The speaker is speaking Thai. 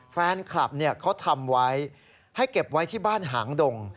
แฟนคลับเขาทำไว้ให้เก็บไว้ที่บ้านหางดง